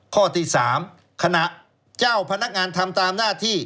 ข้อที่๓ขณะเจ้าพนักงานทำตามหน้าที่